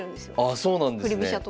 あそうなんですね。